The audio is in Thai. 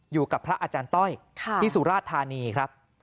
อยู่กับพระอาจารย์ต้อยที่สุราธานีครับ